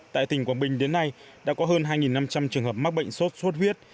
tại tỉnh quảng bình đến nay đã có hơn hai năm trăm linh trường hợp mắc bệnh sốt xuất huyết